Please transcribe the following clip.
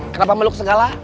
kenapa meluk segala